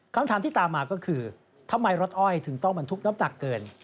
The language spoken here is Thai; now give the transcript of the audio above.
คำถามที่ตามมาก็คือทำไมรถอ้อยถึงต้องบรรทุกน้ำหนักเกิน